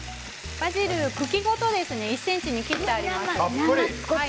茎ごと１ｃｍに切ってあります。